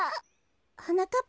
はなかっ